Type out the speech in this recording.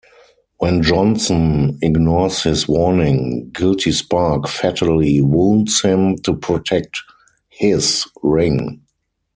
When Johnson ignores his warning, Guilty Spark fatally wounds him to protect "his" ring.